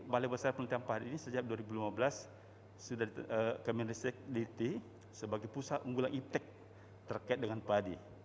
balai besar penelitian padi ini sejak dua ribu lima belas sudah kemenristek diti sebagai pusat unggulan iptek terkait dengan padi